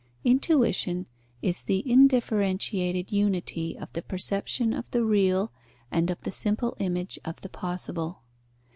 Intuition is the indifferentiated unity of the perception of the real and of the simple image of the possible.